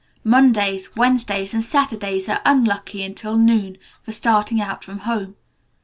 Mondays, Wednesdays, and Saturdays are unlucky until noon for starting out from home.